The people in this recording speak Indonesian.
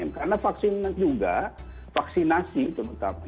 karena vaksin juga vaksinasi itu betul betul